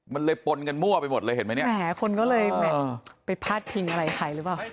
มันเลยปนกันมั่วไปหมดเลยเห็นไหมเนี่ยแหมคนก็เลยแหมไปพาดพิงอะไรใครหรือเปล่า